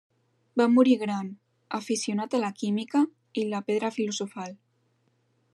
Va morir gran, aficionat a la química i la pedra filosofal.